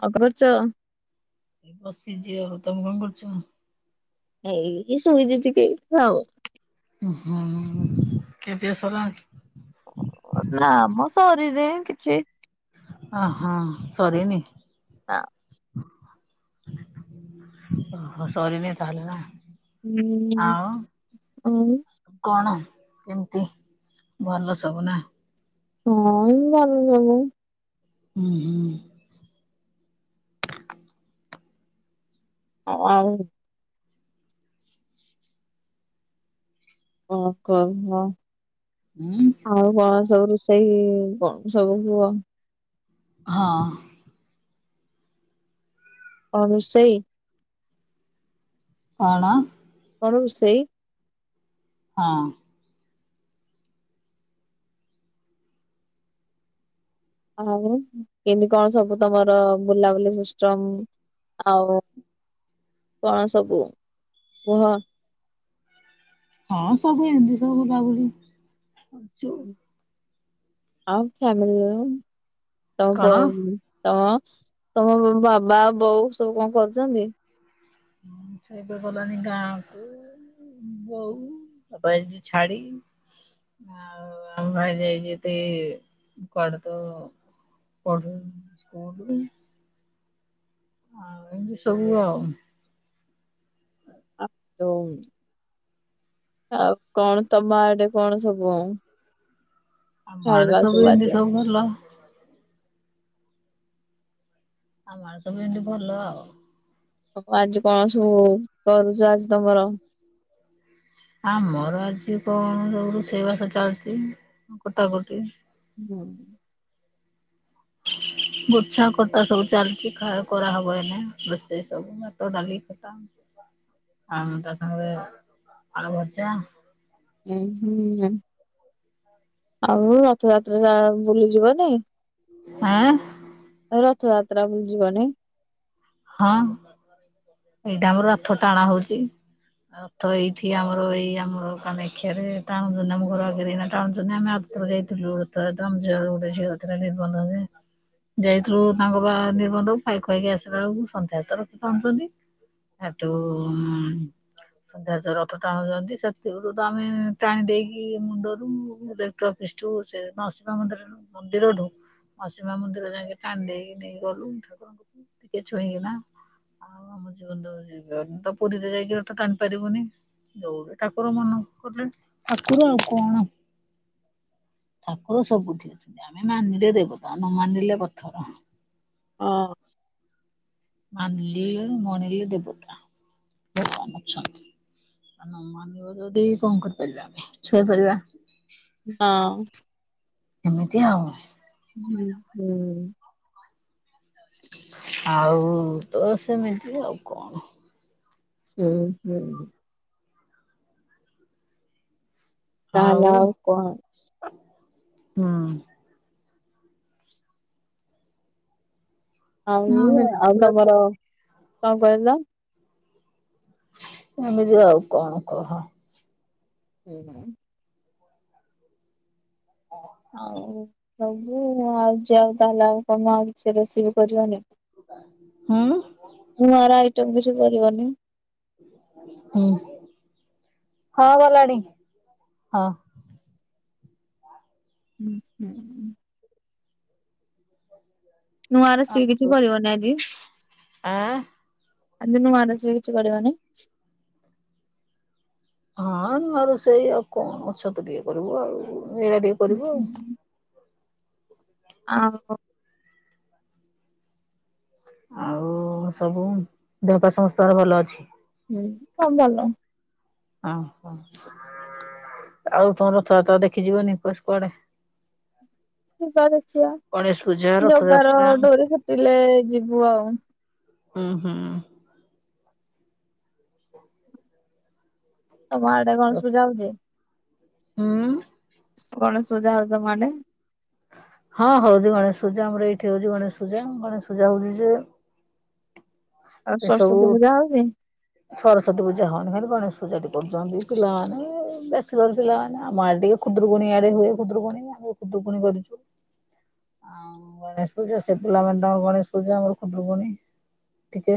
କଣ କରୁଚ? ବସିଚି ଆଉ, ତମେ କଣ କରୁଛ? ଏଇ ଶୋଇଛି ଟିକେ ଆଉ। ହୁଁ ହୁଁ ଖିଆପିଆ ସାରିଲାଣି? ନା ମ ସରିନି କିଛି। ଅ ହଁ ସରିନିି? ନା। ଓହ ସରିନି ତାହେଲେ ନା। ହୁଁ ଆଉ ଆଉ। କଣ କେମିତି ଭଲ ସବୁ ନା? ହଁ ଏମିତି ଭଲ ସବୁ। ହୁଁ ହୁଁ। ଅଁ ଆଉ। ହଁ, କ ହ। ଉଁ। ଆଉ କଣ ସବୁ ରୋଷେଇ କଣ ସବୁ କୁଅ? ହଁ। କଁ ରୋଷେଇ? କଣ? କଣ ରୁଷେଇ? ହଁ। ଆଉ କେମିତି କଣ ସବୁ ତମର ବୁଲାବୁଲି ସିଷ୍ଟମ? ଆଉ କଣ ସବୁ କୁହ? ହଁ ସବୁ ଏମିତି ସବୁ ବୁଲାବୁଲି ଚାଲିଚି। ଆଉ ଫ୍ୟାମିଲିରେ କଣ? [unintelligible] ଅ ତମ ବାବା ବୋଉ ସବୁ କଣ କରୁଛନ୍ତି? ହୁଁ ସେ ଏବେ ଗଲାଣି ଗାଁକୁ। ବୋଉ ବାପା ଯାଇଛନ୍ତି ଛାଡ଼ି। ଆଉ ଆମା ଯାଇଛନ୍ତି କୁଆଡ଼େ ତ? ପଢ଼ୁ [unintelligible] ସ୍କୁଲୁ। ଆଉ ଏନ୍ତି ସବୁ ଆଉ। ଆ ଉ ଆଉ କଣ ତମ ଆଡ଼େ କଣ ସବୁ ଆଉ? ଆମ ଆଡ଼େ ସବୁ ଏନ୍ତି ଆଜି? ସବୁ ଭଲ। ଆମ ଆଡ଼େ ସବୁ ଏନ୍ତି ଭଲ ଆଉ। ଅ ଆଜି କଣ ସବୁ କରୁଛ ଆଜି ତମର? ଆମର ଆଜି କଣ ସବୁ ରୋଷେଇ ବାସ ଚାଲିଛି ଅଁ କଟା କଟି। ହୁଁ। ଗୁଚ୍ଛା କଟା ସବୁ ଚାଲିଛି ଖା କରା ହବ ଏଇନେ ରୋଷେଇ ସବୁ ଭାତ ଡାଲି ଆଉଁ ତା ସାଙ୍ଗରେ ଆଳୁ ଭଜା। ଉଁ ହୁଁ ହୁଁ ଆଉ ରଥଯାତ୍ରା ଯା ବୁଲି ଯିବନି? ଆଁ? [unintelligible] ରଥଯାତ୍ରା ବୁଲି ଯିବନି? ହଁ ଏଇଟା ଆମର ରଥ ଟାଣା ହଉଛି। ରଥ ଏଇଠି ଆମର ଏଇ ଆମର କାମାକ୍ଷା ରେ ଟାଣୁଛନ୍ତି ଆମ ଘର ଆଗରେ କିନା ଟାଣୁଛନ୍ତି। ଆମେ ଆ ଥର ଯାଇଥିଲୁ ରଥଯାତ୍ରା, ଆମ ଝିଅର ଗୋଟେ ଝିଅ ରଥରେ ନିର୍ବନ୍ଧ ହୁଏ। ଯାଇଥିଲୁ ତାଙ୍କ ବା ନିର୍ବନ୍ଧ ଖାଇ ଖୁଆକି ଆସିଲା ବେଳକୁ ସନ୍ଧ୍ୟା ହେତେବେଳକୁ ଟାଣୁଛନ୍ତୀ। ହେଟୁ ଉଁମ୍ ସନ୍ଧ୍ୟାରେ ତ ରଥ ଟାଣୁଛନ୍ତି ସେଥିରୁୁ ତ ଆମେ ଟାଣି ଦେଇକି ମୁଣ୍ଡରୁ [unintelligible] ତ ପିଷ୍ଟୁ ସେ ମାଉସୀ ମା ମନ୍ଦିରରୁ ମନ୍ଦିରଠୁ ମାଉସି ମା ମନ୍ଦିରରେ ଯାଙ୍କେ ଟାଣିଦେଇକି ନେଇ ଗଲୁ ଠାକୁରଙ୍କୁ ଟିକେ ଛୁଇଁକିନା। ଆଉ ଆମ ଜୀବନରେ ତ ଯାଇ ପାରି [unintelligible] ତ ପୁରୀରେ ଯାଇକି ହେଟୁ ଟାଣି ପାରିବୁନି। ଯୋଉଠି ଠାକୁର ମନ କଲେ ଠାକୁର ଆଉ କଣ। ଠାକୁର ସବୁଠି ଅଛନ୍ତି ଆମେ ମାନିଲେ ଦେବତା ନ ମାନିଲେ ପଥର। ଅ। ମାନିଲି ମଣିଲି ଦେବତା। ଭଗବାନ ଅଛନ୍ତି। ଆ ନ ମାନିବ ଯଦି କଣ କରିପାରିବା ଆମେ ଛୁ [unintelligible] ପାରିବା। ହଁ। ଏମିତି ଆଉ। ହୁଁ ହୁଁ। ଆଉ ତ ସେମିତି ଆଉ କଣ। ହୁଁ ହୁଁ। ତାହେଲେ ଆଉ କଣ ହୁଁ। ଆଉ ଆଉ ତମର କଣ କହିଲ? ଏମିତି ଆଉ କଣ କହ? ହୁଁ ହୁଁ। ହ। ଆଉ ସବୁ ଆଉ ଯାହା ଆଉ ତାହେଲେ ଆଉ କଣ ଆଉ କିଛି ରୋଷେଇ ବି କରିବନି? ହୁଁ ନୂଆରେ ଆଇଟମ୍ କିଛି କରିବନି? ହୁଁ, ହଁ ଗଲାଣି ହଁ। ଉଁ ହୁଁ। ନୂଆ ରୋଷେଇ କିଛି କରିବନି ଆଜି? ଆଁ। ଆଜି ନୂଆ ରୋଷେଇ କିଛି କରିବନି? ହଁ ନୂଆ ରୋଷେଇ ଆଉ କଣ ଛତୁ ଟିକେ କରିବୁ ଆଉ ଏଇରା ଟିକେ କରିବୁ ଆଉ। ଆମ୍ୱ। ଆଉ ସବୁ ଦେହ ପାହା ସମସ୍ତଙ୍କର ଭଲ ଅଛି? ହୁଁ, ସବୁ ଭଲ। ଅ ହଁ। ଆଉ ତମେ ରଥଯାତ୍ରା ଦେଖି ଯିବନି ଏବର୍ଷ କୁଆଡେ। ଯିବା ଦେଖିଆ ଗଣେଶ ପୂଜା ଜଗାର ରଥଯାତ୍ରା ଡୋରି ଫିଟିଲେ ଯିବୁ ଆଉ। ଉଁ ହୁଁ। ତମ ଆଡେ ଗଣେଶ ପୂଜା ହୋଉଚି? ହୁଁ। ଗଣେଶ ପୂଜା ହୋଉଛି ତମ ଆଡେ। ହଁ ହୋଉଚି ଗଣେଶ‌ ପୂଜା ଆମର ଏଇଠି ହୋଉଚି ଗଣେଶ ପୂଜା। ଗଣେଶ ପୂଜା ହୋଉଚି ଯେ ଆଉ ଏସବୁ ସରସ୍ଵତୀ ପୂଜା ହୋଉଚି? ସରସ୍ଵତୀ ପୂଜା ହଉନି ଖାଲି ଗଣେଶ ପୂଜା ଟିକେ ହଉଚି। ଯଦି ପିଲାମାନେ ବେଶୀ ବ୍ୟାଚଲର୍ ପିଲାମାନେ ଆମ ଆଡ଼େ ଟିକେ ଖୁଦୁରୁକୁଣୀ ଇଆଡେ ହୁଏ ଖୁଦୁରୁକୁଣୀ। ଆମେ‌ ଖୁଦୁରୁକୁୁଣୀ କରୁଚୁ। ଆଉ ଗଣେଶ ପୂଜା ସେ ପିଲାମାନେ ତାଙ୍କର ଗଣେଶ ପୂଜା ଆମର ଖୁଦୁରୁକୁଣୀ। ଟିକେ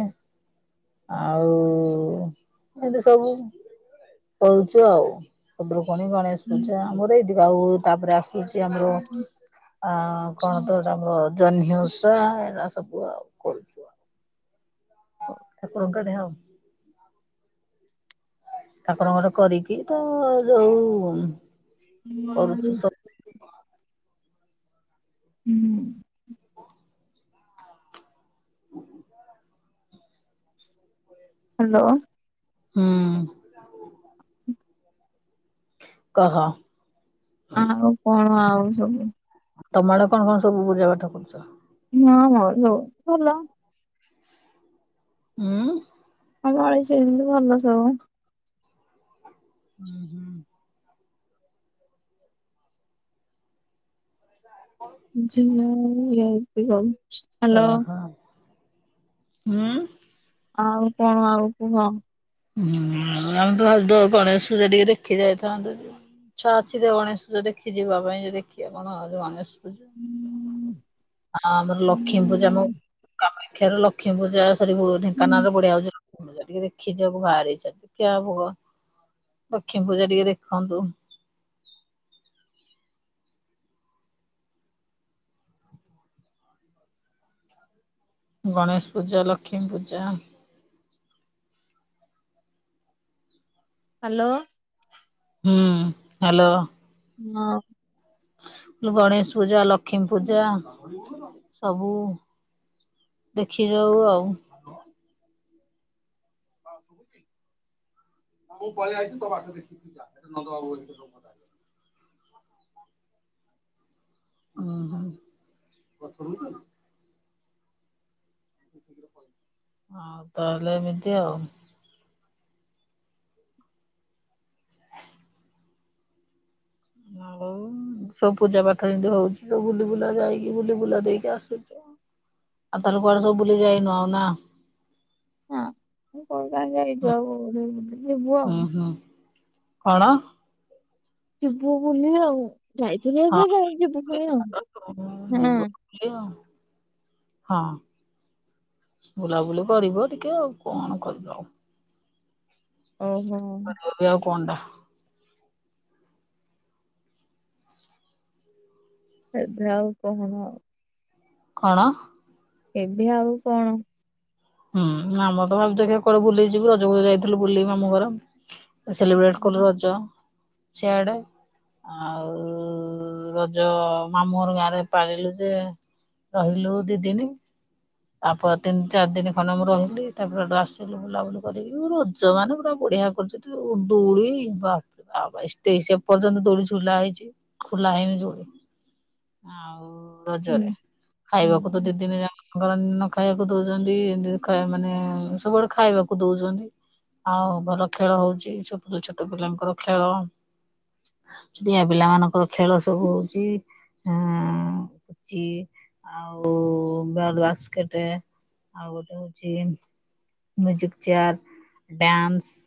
ଆଉ ଏନ୍ତି ସବୁ ହୋଉଚି ଆଉ। ଖୁଦୁରୁକୁଣୀ ଗଣେଶ ପୂଜା ଆମର ଏଇଠି ଆଉ ତାପରେ ଆସୁଛି ଆମର ଆ କଣତ ହେଟା ଆମର ଜହ୍ନି ଓଷା ଏରା ସବୁ ଆଉ କରୁଚୁ। [unintelligible] ଠାକୁରଙ୍କର କରିକି ତ ଯୋଉ କରୁଛି [inaudible] ସବୁ ହୁଁ। ହ୍ୟାଲୋ। ହୁଁ। କହ? ଆଉ କଣ ଆଉ ସବୁ? ତମଆଡେ କଣ କଣ ସବୁ ପୂଜା ପାଠ କରୁଚ? ହଁ ହଁ ନୋଉ ଭଲ। ହୁଁ। ଆମ ଆଡ଼େ ସେମିତି ଭଲ ସବୁ। ହୁଁ ହୁଁ। [unintelligible] ଝିଅ ଇଅ ଅତି କମ୍। ଓ ହଁ ହୁଁ। ଆଉ କଣ ଆଉ କୁହ? ହୁଁ ଆମେ ତ ଦ ଗଣେଶ ପୂଜା ଟିକେ ଦେଖି ଯାଇଥାନ୍ତୁ ଆଜି। ଇଚ୍ଛା ଅଛି ତ ଗଣେଶ ପୂଜା ଦେଖି ଯିବା ପାଇଁ ଯେ ଦେଖିଆ କଣ ଆଉ ଗଣେଷ୍ ପୂଜା ଆଁ ଆମର ଲକ୍ଷ୍ମୀ ପୂଜା ମୋ କାମାକ୍ଷାର ଲକ୍ଷ୍ମୀପୂଜା ସରି ଭୂ ଢେଙ୍କାନାଳର ବଢ଼ିଆ ହଉଛି ଲକ୍ଷ୍ମୀ ପୂଜା ଟିକେ ଦେଖି ଯିବାକୁ ବାହାରିଛନ୍ତି କି ଆଉ ହବ ଲକ୍ଷ୍ମୀ ପୂଜା ଟିକେ ଦେଖନ୍ତୁ। ଗଣେଶ ପୂଜା ଲକ୍ଷ୍ମୀ ପୂଜା ହ୍ୟାଲୋ ହୁଁ ହ୍ୟାଲୋ। ନଅ ମୁଁ କହିଲି ଗଣେଶ ପୂଜା ଲକ୍ଷ୍ମୀ ପୂଜା ସବୁ ଦେଖି ଯାଉ ଆଉ। ହଁ ମୁଁ ପଳିଆଇଛି ତୋ ବାଟ ଦେଖି କି ତୁ ଯାଆ। ଏଇଟା ନନ୍ଦ ବାବୁ କଥା [unintelligible] ଓହୋ ଗଛରୁ ମୁଁ ଦେଲି। ଆଉ ତାହେଲେ ଏମିତି ଆଉ। ହୁଁ ସବୁ ପୂଜା ପାଠ ଏମିତି ହଉଛି ତ ବୁଲି ବୁଲା ଯାଇକି ବୁଲି ବୁଲା ଦେଇକି ଆସୁଚି। ଆଉ ତମେ କୁଆଡ଼େ ସବୁ ବୁଲି ଯାଇନ ନାଁ। ହଁ ମୁଁ କୋଉ ଗାଁ ଯାଇଚୁ ଆଉ ଯିବୁ ଆଉ। ଓ ହଁ କଣ? ଯିବୁ ବୁଲି ଆଉ ଯାଇଥିଲୁ ହଁ ଏବେ ଯେ ଯିବୁ ପୁଣି ଆଉ ହଁ। ବୁଲିବ ହଁ। ବୁଲାବୁଲି କରିବ ଟିକେ ଆଉ କଣ କରିବ ଆଉ। ଓହୋ ହୁଏ ଆଉ କଣଟା? ଏବେ ଆଉ କଣ ଆଉ।? କଣ ଏବେ ଆଉ କଣ? ହୁଁ ଆମର ତ ଭାବିଥିଲୁ କୁଆଡ଼େ ବୁଲିଯିବୁ ରଜକୁ ଯାଇଥିଲୁ ବୁଲି ମାମୁଁ ଘର। ସେଲିବ୍ରେଟ କଲୁ ରଜ ସିଆଡେ। ଆଉ ରଜ ମାମୁଁଘର ଗାଁରେ ପାଳିଲୁ ଯେ ରହିଲୁ ଦି ଦିନି ତାପରେ ତିନି ଚାରି ଦିନି ମାନେ ମୁଁ ରହିଲି ତାପରେ ସେଠୁ ଆସିଲୁ ବୁଲାବୁଲି କରିକି ରଜ ମାନେ ପୁରା ବଢ଼ିଆ କରିଚନ୍ତି। ଯୋଉ ଦୋଳି ବାପରେ ବାପ୍ ଏତେ ସେ ପର୍ଯ୍ୟନ୍ତ ଦୋଳି ଝୁଲା ହେଇଛି। ଖୋଲା ହେଇନି ଦୋଳି ଆଉ ରଜରେ ହୁଁ। ଖାଇବାକୁ ତ ହୁଁ ଦି ଦିନି ଯାକ ସଂକ୍ରାନ୍ତି ଦିନ ଖାଇବାକୁ ଦଉଚନ୍ତି। ଯଦି କହିବ ମାନେ ସବୁଆଡ଼େ ଖାଇବାକୁ ଦଉଚନ୍ତି। ଆଉ ଭଲ ଖେଳ ହଉଛି। ଛୋଟ ଛୋଟ ପିଲାଙ୍କର ଖେଳ ଝିଅ ପିଲାମାନଙ୍କର ଖେଳ ସବୁ ହଉଛି। ଆଁ ଚି ଆଉ ଗାଁରୁ ଆସିଥିଲେ। ଆଉ ଗୋଟେ ହଉଛି ମ୍ୟୁଜିକ୍ ଚେୟାର୍ ଡ୍ୟାନ୍ସ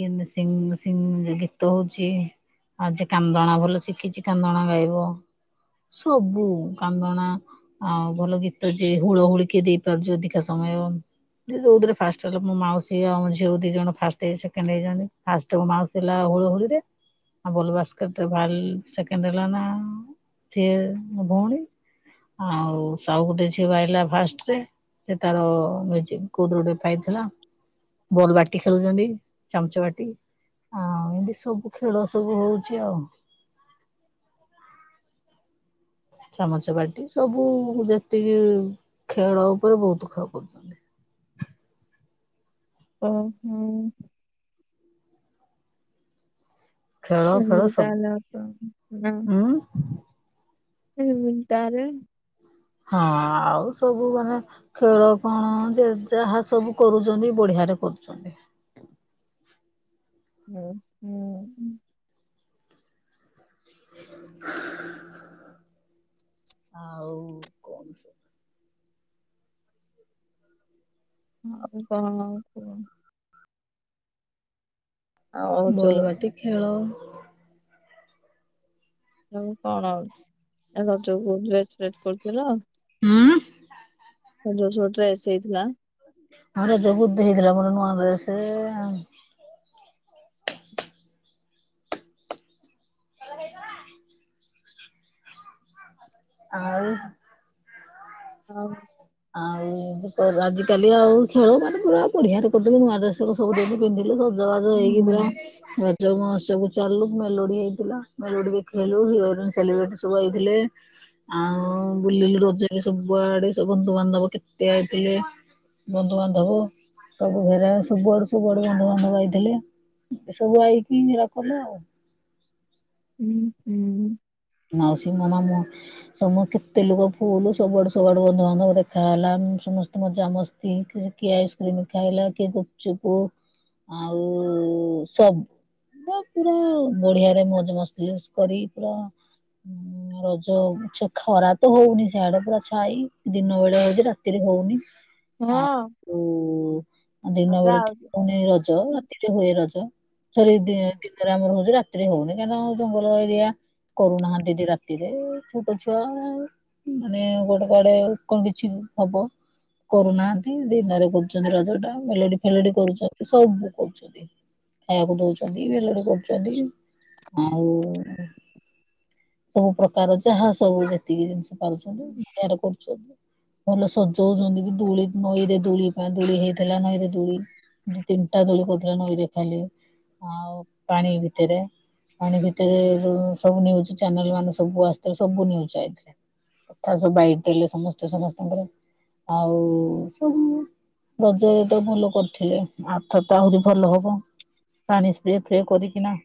କି ମିଶିଙ୍ଗ ମିଶିଙ୍ଗ ଗୀତ ହଉଛି। ଆଉ ସେକାନ୍ଦଣା ଭଲ ଶିଖିଛି, କାନ୍ଦଣା ଗାଇବ। ସବୁ କାନ୍ଦଣା ଆଉ ଭଲ ଗୀତ ଯେ ହୁଳହୁଳି କିଏ ଦେଇପାରୁଛନ୍ତି ଅଧିକା ସମୟ ଯିଏ ଯଉଥିରେ ଫାଷ୍ଟ ହେଲା, ମୋ ମାଉସୀ ଆଉ ଝିଅ ଦି ଜଣ ଫାଷ୍ଟ ହେଇ ସେକେଣ୍ଡ ହେଇଛନ୍ତି ଫାଷ୍ଟ ମୋ ମାଉସୀ ହେଲା ହୁଳୁ ହୁଳି ରେ ଆଉ ବଲ ବାସ୍କେଟରେ ବାଲ ସେକେଣ୍ଡ ହେଲା ନା, ସିଏ ମୋ ଭଉଣୀ ଆଉ ସଉକଟିେ ଛିଆଲା ଫାଷ୍ଟରେ [unintelligible] ସେ ତାର ମ୍ୟୁଜିକ କଉଠୁ ଗୋଟେ ପାଇଥିଲା। ବଲ୍ ବାଟି ଖେଳୁଛନ୍ତି, ଚାମଚ ବାଟି ହଁଏମିତି ସବୁ ଖେଳ ସବୁ ହଉଛି ଆଉ। ଚାମଚ ବାଟି, ସବୁ ଯେତିକି ଖେଳ ଉପରେ ବହୁତ ଖେଳ କରୁଛନ୍ତି। ଓ ହୋ। ଖେଳ ଫେଳ ସବୁ [unintelligible] ହୁଁ [unintelligible] ତାର। ହଁ ଆଉ ସବୁ ଭଲ। ଖେଳ କଣ ଯେ ଯାହା ସବୁ କରୁଛନ୍ତି ବଢିଆରେ କରୁଛନ୍ତି। ହୁଁ-ହୁଁ। ଆଉ କଣ ସବୁ। ଆଉ କଣ। ଆଉ ବଲ୍ ଯୋଉ ବାଟି ଖେଳ। ଯୋଉ କଣ ରଜକୁ ଡ୍ରେସ ଫ୍ରେସ୍ କରିଥିଲ। ହୁଁ। ଯେଉଁ ସବୁ ଡ୍ରେସ ହେଇଥିଲା। ଆଁ ରଜକୁ ଗୁଡ଼େହେଇଥିଲା ମୋର ନୂଆ ଡ୍ରେସ୍ ଭଲ ହେଇଗଲା। ଆଉ। ହଉ। ଆଉ। ଆଜିକାଲି ଆଉ ଖେଳ ମାନ ପୁରା ବଢିଆରେ କରୁଛନ୍ତି ନୂଆ ଡ୍ରେସ୍ ସବୁ ସବୁ ଦେଇକି ପିନ୍ଧିଲେ। ସଜ ବାଜ ହେଇକି ପୁରା ହୁଁ। ରଜ ମହୋତ୍ସବକୁ ଚାଲିଲୁ ମେଲୋଡି ହେଇଥିଲା ମେଲୋଡି ଦେଖଲୁ ହିରୋ ହିରୋଇନ୍ ସେଲିବ୍ରିିଟ୍ ସବୁ ଆଇଥିଲେ। ଆଉ ବୁଲିଲୁ ରଜରେ ସବୁଆଡେ ସବୁ ବନ୍ଧୁବାନ୍ଧବ କେତେ ଆଇଥିଲେ। ବନ୍ଧୁବାନ୍ଧବ। ସବୁ ଘେରା ସବୁଆଡୁ ସବୁଆଡୁ ବନ୍ଧୁବାନ୍ଧବ ଆଇଥିଲେ ସବୁ ଆଇକି ହୋରା କଲେ ଆଉ। ହୁଁ ହୁଁ। ମାଉସୀ ମେମାମୁଁ। ସମ କେତେ ଲୋକ ଫୁଲ ସବୁଆଡୁ ସବୁଆଡୁ ବନ୍ଧୁ ବାନ୍ଧବ ଦେଖାହେଲା ସମସ୍ତେ ମଜା ମସ୍ତ। କିଏ ଆଇସ୍କ୍ରିମ ଖାଇଲା କିଏ ଗୁପଚୁପୁ। ଆଉ ସବ। ପୁରା ବଢିଆରେ ମଉଜ ମସ୍ଲିସ୍ କରି ପୁରା। [unintelligible] ରଜ ଖରା ତ ହଉନି ସିଆଡେ ପୁରା ଛାଇ ଦିନ ବେଳେ ହଉଛି ରାତିରେ ହଉନି। ଆଉ ଦିନ ବେଳେ ତ ପୁଣି ରଜ ରାତି ହୁଏ ରଜ ଥରେ ଦିନରେ ଆମର ହଉଛି ରାତିରେ ହଉନି କାହିଁକନା ଉ ଜଙ୍ଗଲ ଏରିଆ। କରୁନାହାନ୍ତି ଦି ରାତିରେ ଛୋଟ ଛୁଆ। ମାନେ ଗୋଟେ କୁଆଡେ କଣ କିଛି ହବ। କରୁନାହାନ୍ତି ଦିନରେ କରୁଚନ୍ତି ରଜ ଟା ମେଲୋଡି଼ ଫେଲୋଡି଼ କରୁଚନ୍ତି ସବୁ କରୁଚନ୍ତି। ଖାଇବାକୁ ଦଉଛନ୍ତି ମେଲୋଡ଼ି କରୁଛନ୍ତି ଆଉ ସବୁ ପ୍ରକାର ଯାହା ସବୁ ଯେତିକି ଜିନିଷ ପାରୁଚନ୍ତି [inaudible] କରୁଚନ୍ତି। ଭଲ ସଜଉଜନ୍ତି ବି ଦୋଳି ନଈରେ ଦୋଳି ବା ଦୋଳି ହେଇଥିଲା ନଈରେ ଦୋଳି ଦି ତିନିଟା ଦୋଳି କରିଥିଲା ନଈରେ ଖାଲି। ଆଉ ପାଣି ଭିତରେ ପାଣି ଭିତରେ ଯୋଉ ସବୁ ନିଉଜ୍ ଚାନେଲ୍ ମାନେ ସବୁ ଆସିଥିଲେ ସବୁ ନିଉଜ୍ ଆଇ ଥିଲେ। କଥା ସବୁ ବାଇଟ୍ ଦେଲେ ସମସ୍ତେ ସମସ୍ତଙ୍କର ଆଉ ସବୁ ରଜ ତ ଭଲ କରିଥିଲେ ଆରଥର ତ ଆହୁରି ଭଲ ହବ। ପାଣି ସ୍ପ୍ରେ, ଫ୍ରେ କରିିକି ନା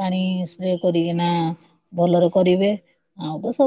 ପାଣି ସ୍ପ୍ରେ କରିକିନା ଭଲରେ କରିବେ ଆଉ ତ ସବୁ